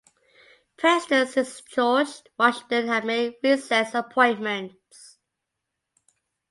Presidents since George Washington have made recess appointments.